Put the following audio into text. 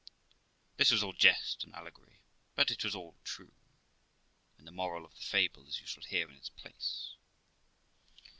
This was all jest and allegory; but it was all true, in the moral of the fable, as you shall hear in its place.